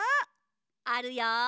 あるよ。